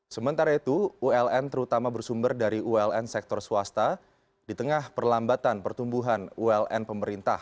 sementara itu uln terutama bersumber dari uln sektor swasta di tengah perlambatan pertumbuhan uln pemerintah